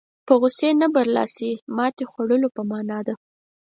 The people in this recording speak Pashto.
په غوسې نه برلاسي ماتې خوړلو په معنا ده.